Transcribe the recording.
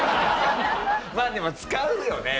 まあでも使うよね。